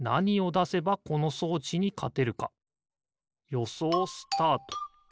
よそうスタート！